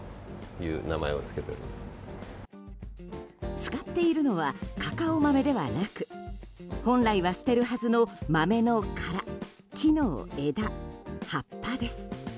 使っているのはカカオ豆ではなく本来は捨てるはずの豆の殻木の枝、葉っぱです。